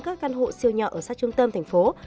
các căn hộ siêu nhỏ ở sát trung tâm thành phố